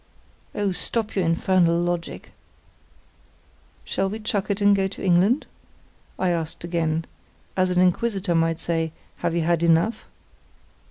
"Oh, stop your infernal logic." "Shall we chuck it and go to England?" I asked again, as an inquisitor might say, "Have you had enough?"